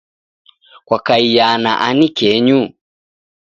Kwakaia na ani kenyu?